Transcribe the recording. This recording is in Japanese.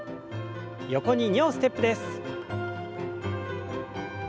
横に２歩ステップです。